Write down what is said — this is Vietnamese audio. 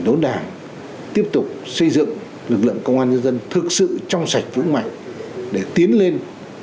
đốn đảng tiếp tục xây dựng lực lượng công an nhân dân thực sự trong sạch vững mạnh để tiến lên